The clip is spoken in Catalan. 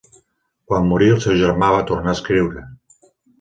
Quan morí el seu germà va tornar a escriure.